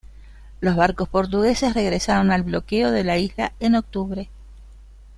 Los barcos portugueses regresaron al bloqueo de la isla en octubre.